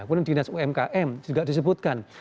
kemudian dinas umkm juga disebutkan